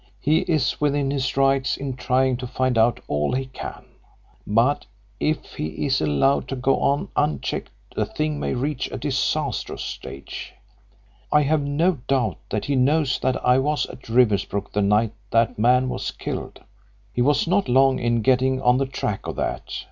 "He is within his rights in trying to find out all he can. But if he is allowed to go on unchecked the thing may reach a disastrous stage. I have no doubt that he knows that I was at Riversbrook the night that man was killed. He was not long in getting on the track of that.